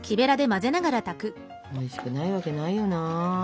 おいしくないわけないよな。